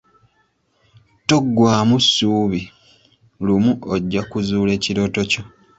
Toggwaamu ssuubi, lumu ojja kuzuula ekirooto kyo.